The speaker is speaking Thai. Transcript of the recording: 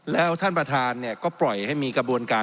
แล้วท่านประธานก็ปล่อยให้มีกระบวนการ